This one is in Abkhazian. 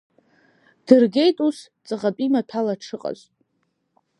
Дыргеит ус, ҵаҟатәи маҭәала дшыҟаз.